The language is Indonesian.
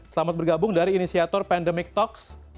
selamat bergabung dari inisiator pandemic talks